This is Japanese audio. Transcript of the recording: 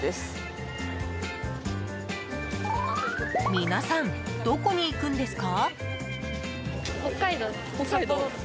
皆さん、どこに行くんですか？